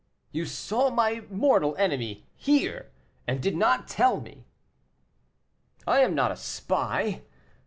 "You saw my mortal enemy here, and did not tell me?" "I am not a spy.